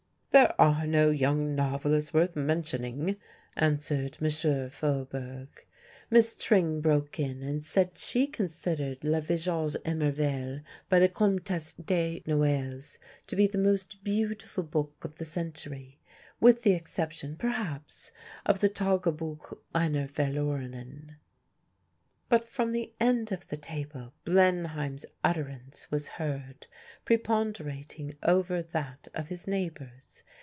"There are no young novelists worth mentioning," answered M. Faubourg. Miss Tring broke in and said she considered "Le Visage Emerveille," by the Comtesse de Noailles, to be the most beautiful book of the century, with the exception, perhaps, of the "Tagebuch einer Verlorenen." But from the end of the table Blenheim's utterance was heard preponderating over that of his neighbours.